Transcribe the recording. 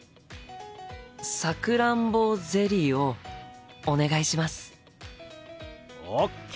さくらんぼゼリーをお願いします。ＯＫ！